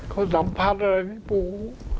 เขาสัมพันธ์อะไรที่ปู่